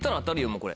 もうこれ。